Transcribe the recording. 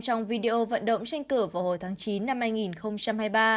trong video vận động tranh cử vào hồi tháng chín năm hai nghìn hai mươi ba